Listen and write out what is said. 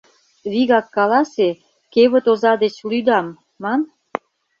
Вигак каласе: «Кевыт оза деч лӱдам» ман.